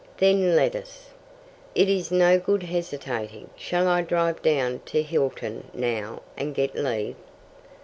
"Then let us." "It is no good hesitating. Shall I drive down to Hilton now and get leave?"